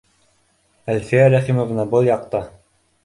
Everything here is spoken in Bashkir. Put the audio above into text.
— Әлфиә Рәхимовна, был яҡта